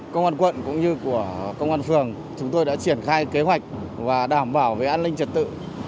công an quận cũng như của công an phường chúng tôi đã triển khai kế hoạch và đảm bảo về an ninh trật tự